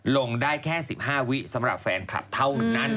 ลงได้แค่๑๕วิสำหรับแฟนคลับเท่านั้น